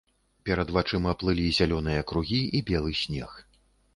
Перад вачыма плылі зялёныя кругі і белы снег.